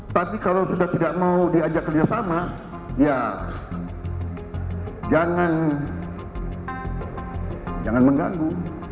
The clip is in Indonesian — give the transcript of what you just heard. tapi kalau sudah tidak mau diajak kerjasama ya jangan mengganggu